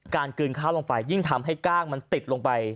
กลืนข้าวลงไปยิ่งทำให้กล้างมันติดลงไป